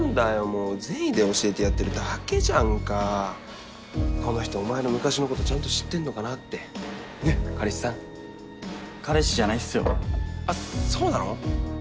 もう善意で教えてやってるだけじゃんかこの人お前の昔のことちゃんと知ってんのかなってねっ彼氏さん彼氏じゃないっすよあっそうなの？